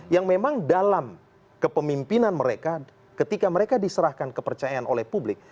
yang memang dalam kepemimpinan mereka ketika mereka diserahkan kepercayaan oleh publik